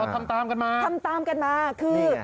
ทำตามกันมาทำตามกันมาคือ